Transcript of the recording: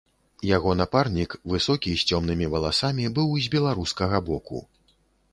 Яго напарнік, высокі, з цёмнымі валасамі, быў з беларускага боку.